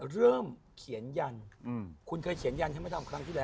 เริ่มเขียนยันคุณเคยเขียนยันให้มาทำครั้งที่แล้ว